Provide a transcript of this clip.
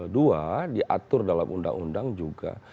dua diatur dalam undang undang juga